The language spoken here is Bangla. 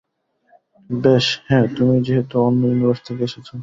বেশ, হ্যাঁ, তুমি যেহেতু অন্য ইউনিভার্স থেকে এসেছো।